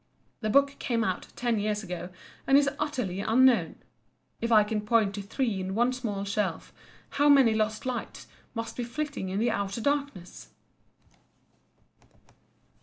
The book came out ten years ago, and is utterly unknown. If I can point to three in one small shelf, how many lost lights must be flitting in the outer darkness!